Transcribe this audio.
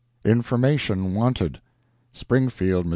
"INFORMATION WANTED" SPRINGFIELD, MO.